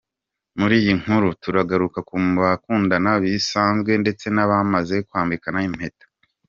Muri iyi nkuru, turagaruka ku bakundana bisanzwe ndetse n’abamaze kwambikana impeta.